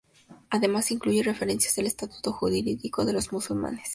Además incluye referencias al estatuto jurídico de los musulmanes y judíos.